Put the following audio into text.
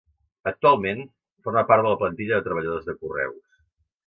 Actualment, forma part de la plantilla de treballadors de correus.